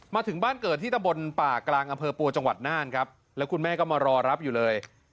มาถึงบ้านเกิดที่ตำบลป่ากลางอำเภอปัวจังหวัดน่านครับแล้วคุณแม่ก็มารอรับอยู่เลย